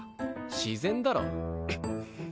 自然だろ。